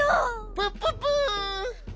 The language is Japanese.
プッププ！